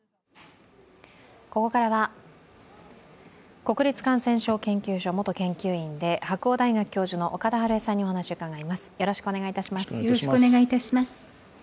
ここからは国立感染症研究所元研究員で白鴎大学教授の岡田晴恵さんに話を伺います。